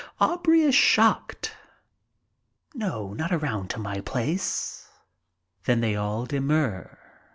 Aubrey is shocked. "No, not around to my place." Then they all demur.